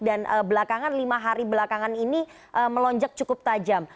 dan belakangan lima hari belakangan ini melonjak cukup tajam